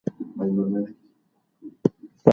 د دې آسماني ډبرې په اړه اندېښنه بې ځایه ده.